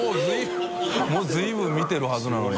發随分見てるはずなのに。